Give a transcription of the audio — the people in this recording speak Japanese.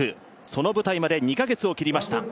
その舞台まで２カ月を切りました。